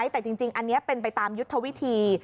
แต่จริงอันนี้เป็นไปตามยุทธวิธี